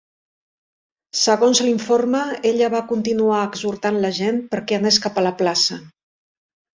Segons l'informe, ella va continuar exhortant la gent perquè anés cap a la plaça.